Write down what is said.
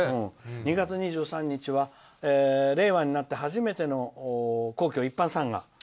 ２月２３日は令和になって初めての皇居一般参賀。